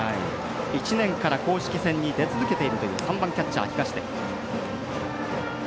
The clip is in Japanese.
１年から公式戦に出続けているという３番キャッチャーの東出。